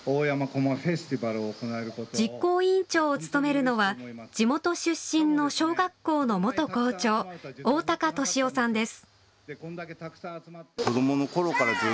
実行委員長を務めるのは地元出身の小学校の元校長、大高敏夫さんです。